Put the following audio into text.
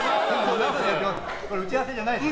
打ち合わせじゃないです。